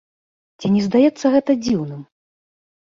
Ці не здаецца гэта дзіўным?